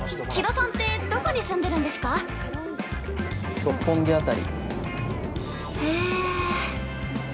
◆六本木辺り。